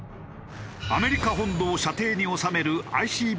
アメリカ本土を射程に収めるＩＣＢＭ